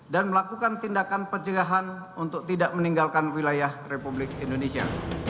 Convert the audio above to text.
dan melakukan tindakan pencegahan untuk tidak meninggalkan wilayah republik indonesia